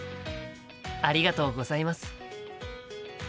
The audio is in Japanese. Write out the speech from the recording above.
ありがとうございます。